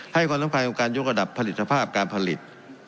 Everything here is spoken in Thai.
ให้ความสัมพันธศาสตร์กับการยนต์กระดับผลิตภาพการผลิต